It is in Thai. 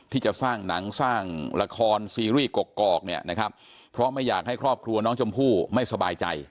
ที่จะสร้างหนังสร้างละครซีรีส์กอกเนี่ยนะครับเพราะไม่อยากให้ครอบครัวน้องชมพู่ไม่สบายใจ